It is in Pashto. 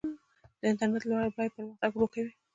د انټرنیټ لوړه بیه پرمختګ ورو کوي.